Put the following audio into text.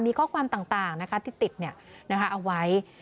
มีข้อความต่างที่ติดเอาไว้